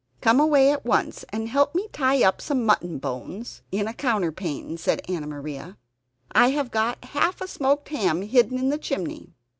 "Come away at once and help me to tie up some mutton bones in a counterpane," said Anna Maria. "I have got half a smoked ham hidden in the chimney."